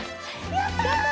やった！